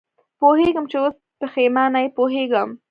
پوهېږم چې اوس پېښېمانه یې، پوهېږم.